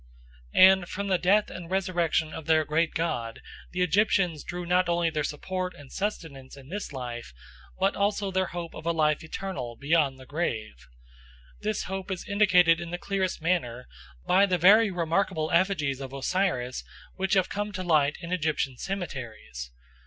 And from the death and resurrection of their great god the Egyptians drew not only their support and sustenance in this life, but also their hope of a life eternal beyond the grave. This hope is indicated in the clearest manner by the very remarkable effigies of Osiris which have come to light in Egyptian cemeteries.